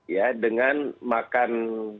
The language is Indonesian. ya dengan makan